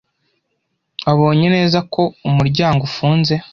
Wabonye neza ko umuryango ufunze?